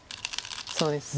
そうです。